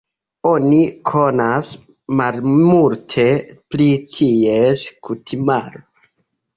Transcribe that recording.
Oni konas malmulte pri ties kutimaro.